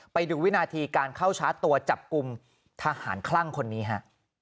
ไปดูวินาทีการเข้าชาร์จตัวจับกลุ่มทหารคลั่งคนนี้ฮะ